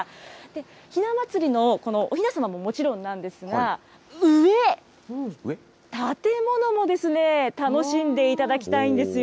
ひな祭りの、このおひなさまももちろんなんですが、上、建物も楽しんでいただきたいんですよ。